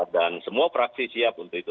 dan semua praksi siap untuk itu